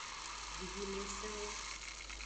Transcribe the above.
Vivimengusenwo.